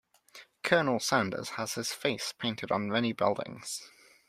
Colonel sanders has his face painted on many buildings.